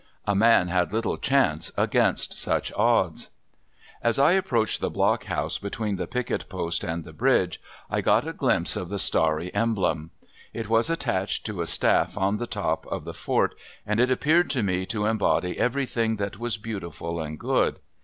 A man had little chance against such odds. As I approached the block house between the picket post and the bridge I got a glimpse of the starry emblem. It was attached to a staff on the top of the fort, and it appeared to me to embody everything that was beautiful and good.